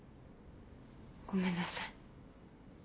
ごめんなさい。